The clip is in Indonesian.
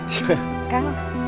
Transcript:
cilok cihoyama lima ratusan